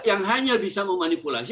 yang hanya bisa memanipulasi